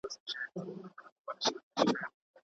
ځینې خلک مو د پرمختګ لور ته بیايي.